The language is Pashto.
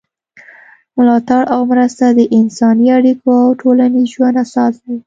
ملاتړ او مرسته د انساني اړیکو او ټولنیز ژوند اساس دی.